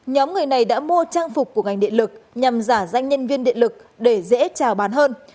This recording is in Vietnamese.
nhóm người này đã mua trang phục của ngành điện lực nhằm giả danh nhân viên điện lực để dễ trào bán hơn